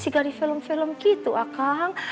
sigari film film gitu akan